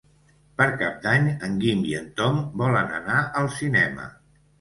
Per Cap d'Any en Guim i en Tom volen anar al cinema.